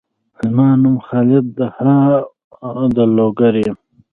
زما نوم خالد دهاو د لوګر یم